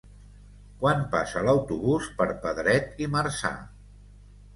Quan passa l'autobús per Pedret i Marzà?